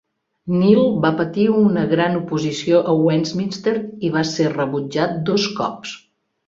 Neal va patir una gran oposició a Westminster i va ser rebutjat dos cops.